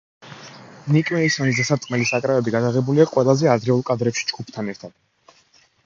ნიკ მეისონის დასარტყმელი საკრავები გადაღებულია ყველაზე ადრეულ კადრებში ჯგუფთან ერთად.